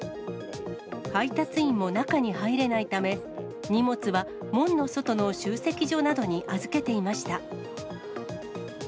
配達員も中に入れないため、荷物は門の外の集積所などに預けていました。